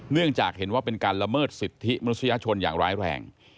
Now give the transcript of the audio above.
เนื่องจากเห็นว่าเป็นการละเมิดสิทธิมนุษยชนอย่างร้ายแรง